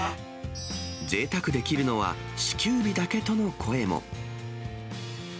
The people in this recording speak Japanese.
ぜいたくできるのは支給日だけとの声も。